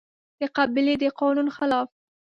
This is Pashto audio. د قبيلې د قانون خلاف